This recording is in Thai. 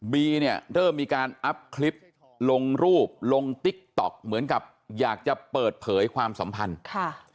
บีเนี่ยเริ่มมีการอัพคลิปลงรูปลงติ๊กต๊อกเหมือนกับอยากจะเปิดเผยความสัมพันธ์ค่ะ